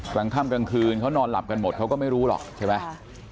กลางค่ำกลางคืนเขานอนหลับกันหมดเขาก็ไม่รู้หรอกใช่ไหม